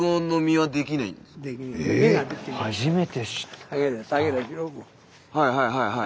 はいはいはいはいはい。